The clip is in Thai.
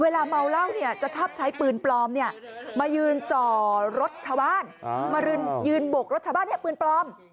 เวลาเมาเหล้าเนี่ยจะชอบใช้ปืนปลอมมายืนจ่อรถชาวบ้านมายืนโบกรถชาวบ้านเนี่ยปืนปลอม